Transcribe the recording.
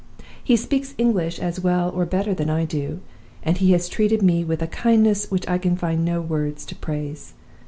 He speaks English as well or better than I do; and he has treated me with a kindness which I can find no words to praise.